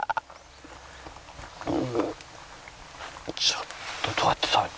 ちょっとどうやって食べる。